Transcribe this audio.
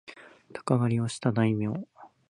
鷹狩をした大名